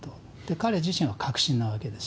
彼自身は核心なわけです。